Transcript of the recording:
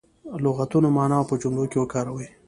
لغتونه معنا او په جملو کې وکاروي.